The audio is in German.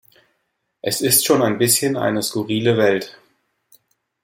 Es ist schon ein bisschen eine skurrile Welt!